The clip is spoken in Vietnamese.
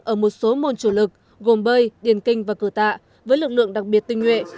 ở một số môn chủ lực gồm bơi điền kinh và cửa tạ với lực lượng đặc biệt tinh nguyện